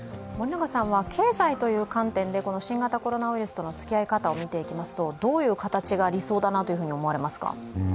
経済という観点で新型コロナウイルスとのつきあい方を考えますと、どういう形が理想だなと思われますか。